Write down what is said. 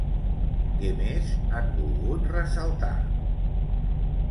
Què més han volgut ressaltar?